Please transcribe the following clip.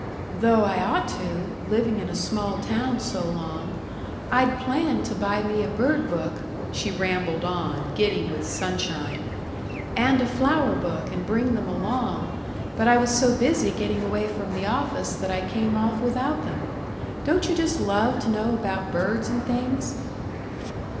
" though I ought to, living in a small town so long. I'd planned to buy me a bird book," she rambled on, giddy with sunshine, "and a flower book and bring them along, but I was so busy getting away from the office that I came off without them. Don't you just love to know about birds and things?"